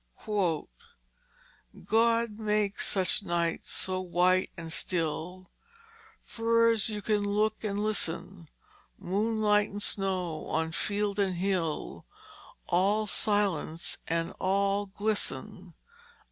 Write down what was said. "God makes sech nights, so white and still Fer's you can look and listen. Moonlight an' snow, on field and hill, All silence and all glisten."